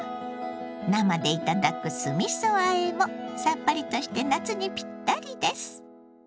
生で頂く酢みそあえもさっぱりとして夏にピッタリです。